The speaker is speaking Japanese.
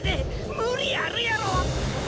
無理あるやろ！